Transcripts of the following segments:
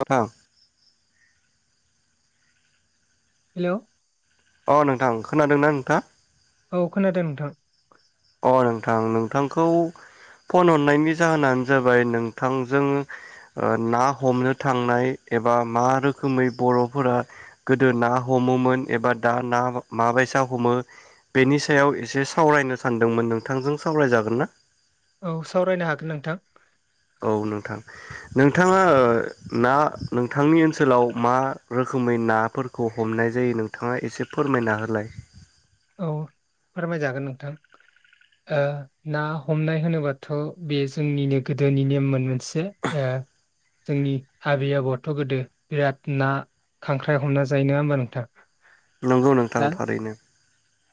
लाथा हेल' अ नोंथां खोनादों ना नोंथाङा औ खोनादों नोंथां अ नोंथां नोंथांखौ फन हरनायनि जाहोनानो जाबाय नोंथांजों ना हमनो थांनाय एबा मा रोखोमै बर'फोरा गोदो ना हमोमोन एबा दा ना माबायसा हमो बेनि सायाव एसे सावरायनो सानदोंमोन नोंथांजों सावरायजागोन ना औ सावरायनो हागोन नोंथां औ नोंथां नोंथाङा ना नोंथांनि ओनसोलाव मा रोखोमै नाफोरखौ हमनाय जायो नोंथाङा एसे फोरमायना होलाय औ फोरमायजागोन नोंथां ना हमनाय होनोबाथ' बे जोंनिनो गोदोनि नेममोन मोनसे जोंनि आबै आबौआथ' गोदो बिराद ना खांख्राइ हमना जायो नङा होमबा नोंथां नंगौ नोंथां दा थारैनो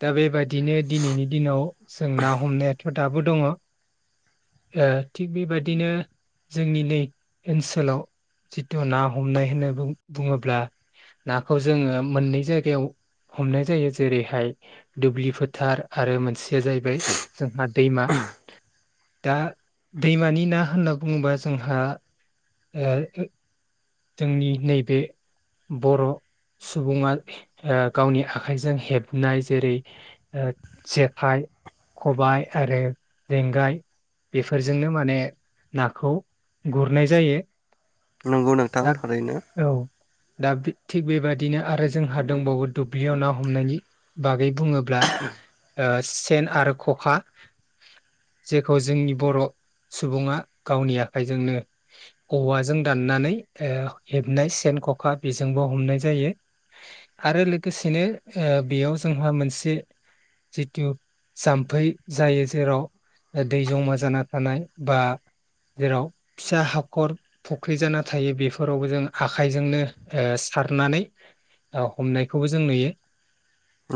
दा बेबादिनो दिनैनि दिनाव जों ना हमनायाथ' दाबो दङ थिग बेबादिनो जोंनि नै ओनसोलाव जिथु ना हमनाय होननानै बुङोब्ला नाखौ जोङो मोननै जायगायाव हमनाय जायो जेरैहाय दुब्लि फोथार आरो मोनसेया जाहैबाय जोंहा दैमा दा दैमानि ना होनना बुङोबा जोंहा ए जोंनि नैबे बर' सुबुङा ओ गावनि आखाइजों हेबनाय जेरै जेखाइ खबाय आरो लेंगाय बेफोरजोंनो माने नाखौ गुरनाय जायो। नंगौ नोंथां एक थारैनो औ दा थिग बेबादिनो आरो जोंहा दंबावो दुब्लियाव ना हमनायनि बागै बुङोब्ला सेन आरो खखा जेखौ जोंनि बर' सुबुङा गावनि आखाइजोंनो औवाजों दाननानै हेबनाय सेन खखा बेजोंबो हमनाय जायो आरो लोगोसेनो ओ बेयाव जोंहा मोनसे जिथु जाम्फै जायो जेराव दै जमा जाना थानाय बा जेराव फिसा हाखर फुख्रि जाना थानाय थायो बेफोरावबो जों आखाइजोंनो ओ सारनानै हमनायखौबो जों नुयो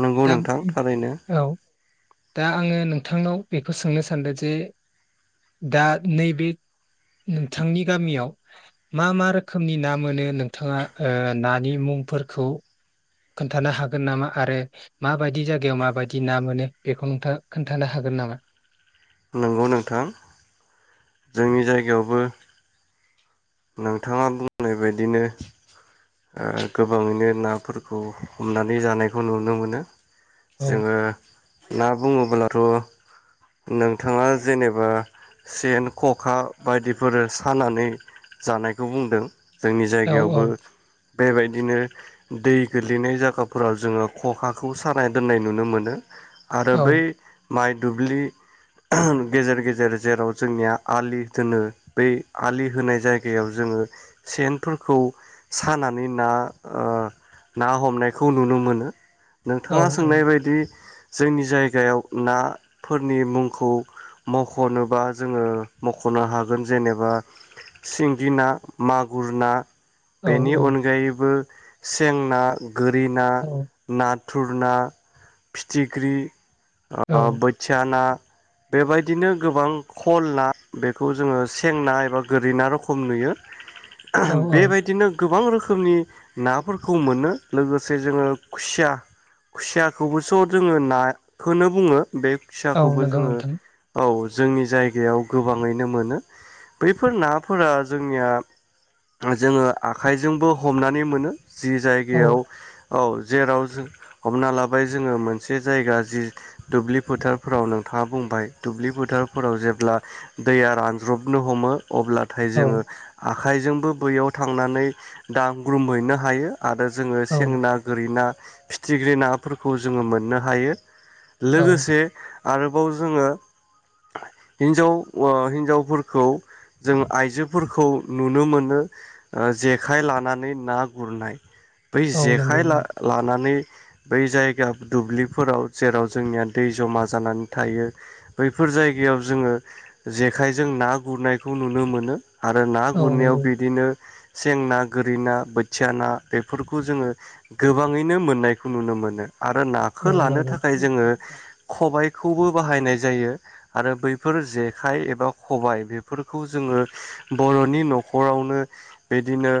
नंगौ दा नोंथां थारैनो औ दा आङो नोंथांनाव बेखौ सोंनो सानदों जे दा नैबे नोंथांनि गामियाव मा मा रोखोमनि ना मोनो नोंथाङा ओ नानि मुंफोरखौ खोन्थानो हागोन नामा आरो माबायदि जायगायाव माबायदि ना मोनो बेखौ नोंथाङ खोन्थानो हागोन नामा नंगौ नोंथां जोंनि जायगायावबो नोंथाङा बुंनायबायदिनो ओ गोबाङैनो नाफोरखौ हमनानै जानायखौ नुनो मोनो औ जोङो ना बुङोब्लाथ' नोंथाङा जेनेबा सेन खखा बायदिफोर सानानै जानायखौ बुंदों जोंनि औ जायगायावबो बेबायदिनो दै गोल्लैनाय जायगाफोराव जोङो खखाखौ सानाय दोननाय नुनो मोनो आरो औ बै माइ दुब्लि गेजेर गेजेर जेराव जोंनिया आलि दोनो बै आलि होनाय जायगायाव जोङो सेनफोरखौ सानानै ना ओ ना हमनायखौ नुनो मोनो। औ नोंथाङा सोंनाय बायदि जोंनि जायगायाव नाफोरनि मुंखौ मख'नोबा जोङो मख'नो हागोन जेनेबा सिंगि ना, मागुर ना औ बेनि अनगायैबो सेंना गोरि ना, औ ना थुरना, फिथिख्रि बोथिया ना बेबायदिनो गोबां खल ना बेखौ जोङो सेंना एबा गोरि ना रोखम नुयो। औ औ बेबायदिनो गोबां रोखोमनि नाफोरखौ मोनो लोगोसे जोङो खुसिया खुसियाखौबोस' जोङो नाखौनो बुङो बे औ फिसाखौबो नंगौ जोङो नोंथां औ जोंनि जायगायाव गोबाङैनो मोनो बैफोर नाफोरा जोंनिया जोङो आखाइजोंबो हमनानै मोनो। जि औ जायगायाव औ जेराव जों हमना लाबाय जोङो मोनसे जायगा जि दुब्लि फोथारफोराव नोंथाङा बुंबाय दुब्लि फोथारफोराव जेब्ला दैया रानज्रबनो हमो अब्लाथाय औ जोङो आखाइजोंबो बैयाव थांनानै दांग्रोमहैनो हायो। आरो जोङो औ सें ना, गोरै ना फिथिख्रि नाफोरखौ जोङो मोननो हायो। औ लोगोसे आरोबाव जोङो हिन्जाव हिन्जावफोरखौ जों आइजोफोरखौ नुनो मोनो ओ जेखाइ लानानै ना गुरनाय बै औ नंगौ जेखाइ लानानै बै जायगा दुब्लिफोराव जेराव जोंनिया दै जमा जानानै थायो बैफोर जायगायाव जोङो जेखाइजों ना गुरनायखौ नुनो मोनो। आरो ना औ गुरनायाव नंगौ बिदिनो सें ना, गोरि ना, बोथिया ना बेफोरखौ जोङो गोबाङैनो मोननायखौ नुनो मोनो। आरो नाखौ औ लानो नंगौ थाखाय जोङो खबाय खौबो बाहायनाय जायो आरो बैफोर जेखाइ एबा खबाय बेफोरखौ जोङो बर'नि न'खरावनो बिदिनो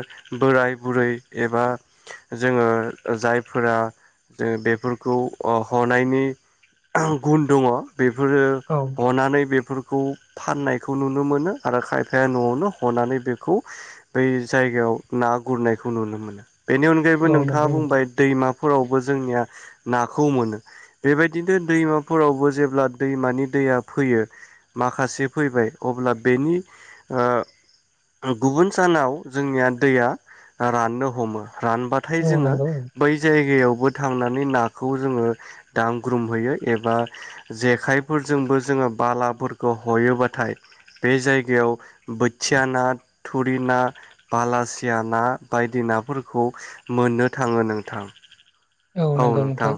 बोराय बुरै एबा जोङो जायफोरा बेफोरखौ हनायनि गुन दङ- बेफोरो औ हनानै बे- बेखौ फाननायखौ नुनो मोनो आरो खायफाया न'आवनो हनानै बेखौ बै जायगायाव ना गुरनायखौ नुनो मोनो। बेनि अनगायैबो औ नोंथाङा नंगौ नोंथां बुंबाय दैमा फोरावबो जोंनिया नाखौ मोनो बेबायदिनो दैमाफोरावबो जेब्ला दैमानि दैया फैयो माखासे फैबाय अब्ला बेनि गुबुन सानाव जोंनिया दैया राननो हमो। रानबाथाय औ जोङो नंगौ बै जायगायाव बो थांनानै नाखौ जोङो दांग्रोमहयो एबा जेखाइफोरजोंबो जोङो बालाफोरखौ हयोबाथाय बे जायगायाव बोथिया ना थुरि ना बालासिया ना बायदि नाफोरखौ मोननो थाङो नोंथां। औ नोंथां।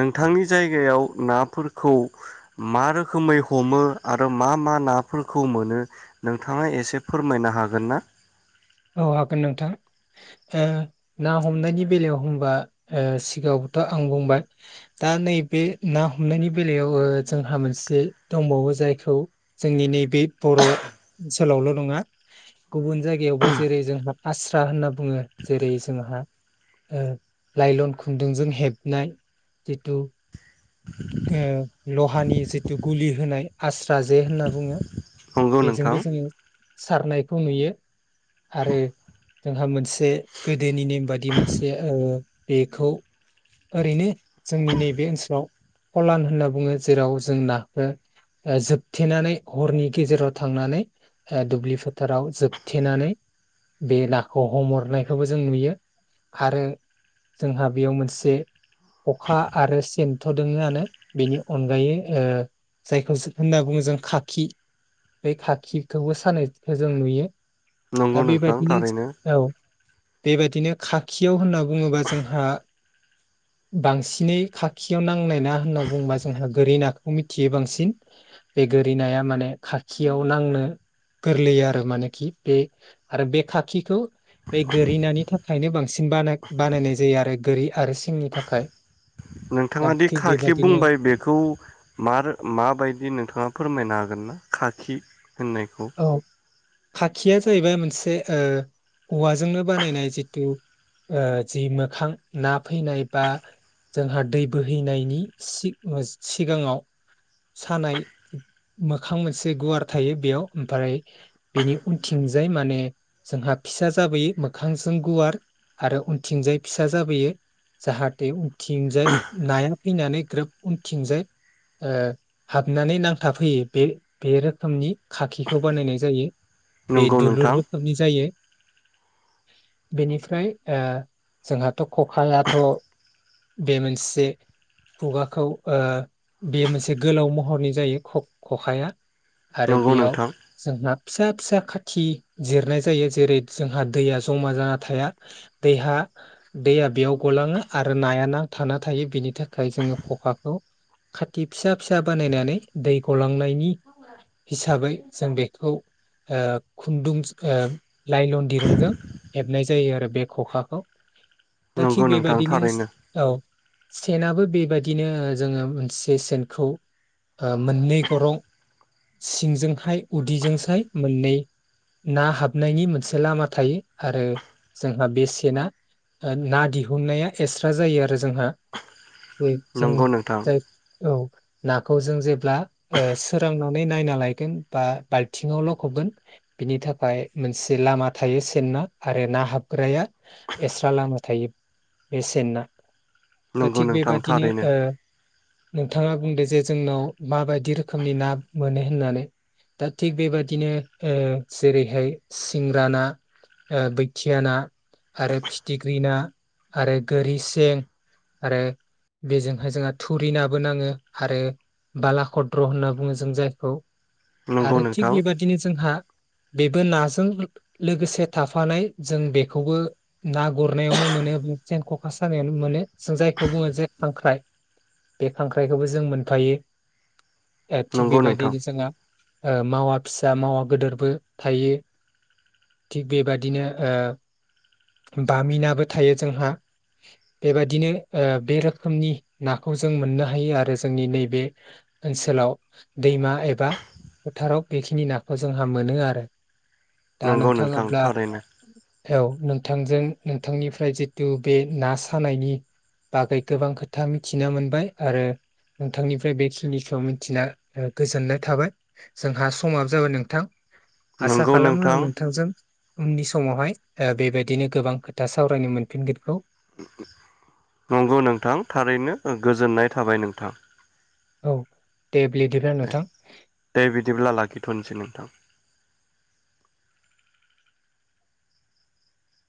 नोंथांनि जायगायाव नाफोरखौ मा रोखोमै हमो आरो मा मा नाफोरखौ मोनो नोंथाङा एसे फोरमायनो हागोन हागोन ना? औ हागोन नोंथां ना हमनायनि बेलायाव होनबा सिगाङावबोथ' आं बुंबाय दा नैबे ना हमनायनि बेलायाव जोंहा मोनसे दंबावो जायखौ जोंनि नैबे बर' ओनसोलावल' नङा गुबुन जायगायावबो जों जेरै जोंहा आसास्रा होनना बुङो जेरै जोंहा लाइलन खुन्दुंजों हेबनाय जिथु लहानि जिथु गुलि होनाय आस्रा जे होनना बुङो। नंगौ बेजोंबो नोंथां। जोङो सारनायखौ नुयो आरो जोंहा मोनसे गोदोनि नेम बादि मोनसे बेखौ ओरैनो जोंनि नैबे ओनसोलाव फलान होनना बुङो जेराव जों नाखौ जोबथेनानै हरनि गेजेराव थांनानै दुब्लि फोथाराव जोबथेनानै बे नाखौ हमहरनायखौबो जों नुयो आरो जोंहा बेयाव मोनसे खखा आरो सन्थ' दङआनो बेनि अनगायै जायखौ होनना बुङो जों खाखि बै खाखिखौबो सानायखौ जों नुयो। दा नंगौ नोंथां बेबायदिनो थारैनो औ। बेबदिनो खाखियाव होनना बुङोबा जोंहा बांसिनै खाखियाव नांनाय ना होनना बुङोबा जोंहा गोरि नाखौ मिथियो बांसिन बे गोरि नाया माने खाखियाव नांनो गोरलैयो आरो मानेखि बे आरो बे खाखिखौ बे गोरिनि नानि थाखायनो बांसिनानाय बानायनाय जायो आरो गोरि आरो सिंनि थाखाय दा नोंथाङा दि थिग खाखि बेबादिनो बुंबाय बेखौ म माबायदि नोंथाङा फोरमायनो हागोन ना? खााखि होननायखौ औ खाखिया जाहैबाय मोनसे ओ औवाजोंनो बानायनाय जिथु ओ जि मोखां ना फैनाय बा जोंहा दै बोहैनायनि सिगाङाव सानाय मोखां मोनसे गुवार थायो बेयाव ओमफ्राय बेनि उनथिंजाय माने जोंहा फिसा जाबोयो मोखांजों गुवार आरो उनथिंजाय फिसा जाबोयो जाहाथे उनथिंजाय नाया फैनानै ग्रोब उनथिंजाय हाबनानै नांथाबफैयो बे बे रोखोमनि खाखिखौ बानायनाय जायो। बे नंगौ दुलुर नोंथां रोखोमनि जायो। बेनिफ्राय ओ जोंहाथ' खखायाथ' बे मोनसे खुगाखौ ओ बे मोनसे गोलाव महरनि जायो खखाया आरो नंगौ बेयाव नोंथां जोंहा फिसा फिसा खाथि जिरनाय जायो जेरै जोंहा दैया जमा जाना थाया दैहा दैया बेयाव गलाङो आरो नाया नां थाना थायो बेनि थाखाय जोङो खखाखौ खाथि फिसा फिसा बानायनानै दै गलांनायनि हिसाबै जों बेखौ ओ खुन्दुं लाइलन दिरुंजों हेबनाय जायो आरो बे खखाखौ दा नंगौ थिग नोंथां बेबादिनो थारैनो औ। सेनाबो बेबायदिनो जोङो मोनसे सेनखौ मोननै गरं सिंजोंहाय उदैजोंसाय मोननै ना हाबनायनि मोनसे लामा थायो आरो जोंहा बे सना ना दिहुननाया एक्सट्रा जायो आरो जोंहा जयै जों नंगौ नोंथां जाय औ। नाखौ जों जेब्ला सोरांनां नायना लायगोन बा बाल्थिंआव लकबगोन बिनि थाखाय मोनसे लामा थायो सन्ना आरो ना हाबग्राया एक्सट्रा लामा थायो बे सेनना। दा नंगौ थिग नोंथां बेबादिनो थारैनो नोंथाङा बुंदो जे जोंनाव माबायदि रोखोमनि ना मोनो होननानै दा थिग बेबादिनो जेरैहाय सिंग्रा ना ओ बैथिया ना आरो फिथिख्रि ना आरो गोरि सें आरो बेजोंहाय जोंहा थुरि नाबो नाङो आरो बालाखद्र होनना बुङो जों जों जायखौ नंगौ आरो थिग नोंथां बेबादिनो जोंहा बेबो नाजों लोगोसे थाफानाय जों बेखौबो ना गुरनायावनो मोनो जेन खखा सानायावनो मोनो जों जायखौ बुङो जे खांख्राय बे खांख्रायखौबो जों मोनफायो। थिग नंगौ नोंथां बेबायदिनो जोङो मावा फिसा मावा गोदोरबो थायो थिग बेबादिनो बामिनाबो थायो जोंहा बेबादिनो बे रोखोमनि नाखौ जों मोननो हायो आरो जोंनि नैबे ओनसोलाव दैमा एबा फोथाराव बेखिनि नाखौ जोंहा मोनो आरो। दा नंगौ नोंथां नोंथाङाब्ला थारैनो औ नोंथांजों नोंथांनिफ्राय जितु बे ना सानायनि बागै गोबां खोथा मिथिना मोनबाय आरो नोंथांनिफ्राय बेखिनिखौ मिथिना गोजोननाय थाबाय जोंहा समाबो जाबाय नोंथां। आसा नंगौ खालामो नोंथां आं नोंथांजों उननि समावहाय बेबायदिनो गोबां खोथा सावरायनो मोनफिनगोनखौ। नोंगौ नोंथां थारैनो गोजोननाय थाबाय नोंथां। औ। दे बिदिब्ला नोंथां दे बिदिब्ला लाखिथनोसै नोंथां